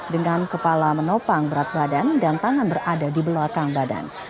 dengan kepala menopang berat badan dan tangan berada di belakang badan